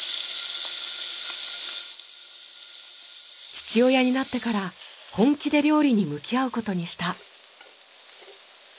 父親になってから本気で料理に向き合う事にした。